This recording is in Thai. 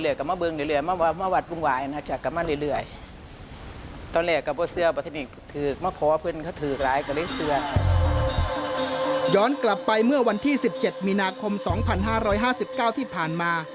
ย้อนกลับไปเมื่อวันที่๑๗มีนาคม๒๕๕๙ที่ผ่านมา